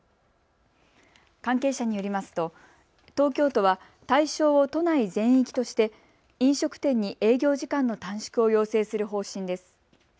関係者によりますと東京都は対象を都内全域として飲食店に営業時間の短縮を要請する方針です。